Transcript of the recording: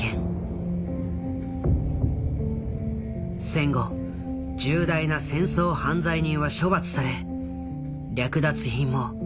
戦後重大な戦争犯罪人は処罰され略奪品も一部は返還された。